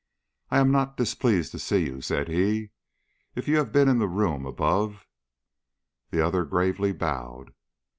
"I am not displeased to see you," said he. "If you have been in the room above " The other gravely bowed.